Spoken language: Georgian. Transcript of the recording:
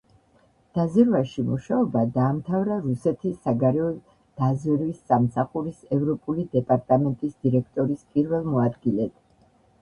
დაზვერვაში მუშაობა დაამთავრა რუსეთის საგარეო დაზვერვის სამსახურის ევროპული დეპარტამენტის დირექტორის პირველ მოადგილედ.